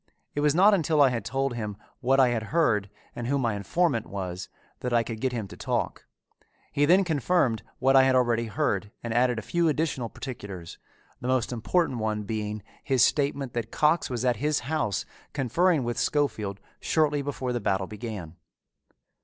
It was not until I had told him what I had heard and who my informant was that I could get him to talk. He then confirmed what I had already heard and added a few additional particulars, the most important one being his statement that Cox was at his house conferring with Schofield shortly before the battle began.